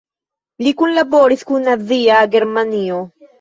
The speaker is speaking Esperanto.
Li kunlaboris kun Nazia Germanio.